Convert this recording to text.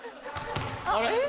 あれ？